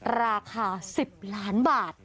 ราคา๑๐ล้านบาท